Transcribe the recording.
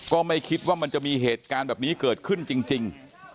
ก็ไม่คิดว่ามันจะมีเหตุการณ์แบบนี้เกิดขึ้นจริง